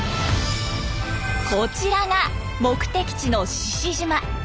こちらが目的地の志々島。